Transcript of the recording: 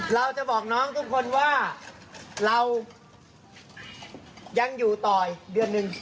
เราจะบอกน้องทุกคนว่าเรายังอยู่ต่ออีกเดือนหนึ่ง